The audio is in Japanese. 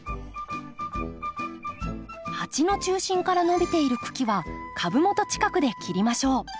鉢の中心から伸びている茎は株元近くで切りましょう。